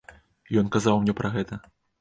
Ён казаў мне пра гэта.